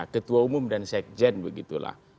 ketua umum dan sekjen begitulah